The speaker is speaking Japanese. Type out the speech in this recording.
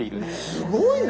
すごいね！